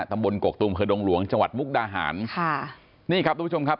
ตำบลกกตูมเผือดงหลวงจังหวัดมุกดาหารค่ะนี่ครับทุกผู้ชมครับ